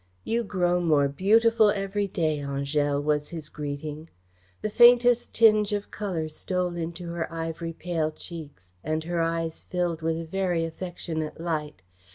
"You grow more beautiful every day, Angèle," was his greeting. The faintest tinge of colour stole into her ivory pale cheeks, and her eyes filled with a very affectionate light.